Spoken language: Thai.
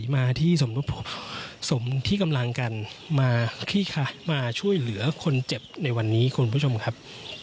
มาคี่ค่ะมาช่วยเหลือคนเจ็บในวันนี้คุณผู้ชมครับ